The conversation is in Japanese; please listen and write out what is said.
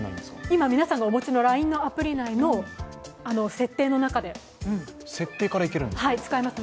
今皆さんがお持ちのＬＩＮＥのアプリ内の設定の中で使えます。